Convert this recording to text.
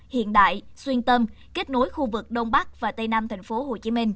hiện đại xuyên tâm kết nối khu vực đông bắc và tây nam tp hcm